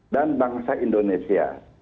dan bangsa indonesia